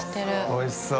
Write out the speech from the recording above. おいしそう。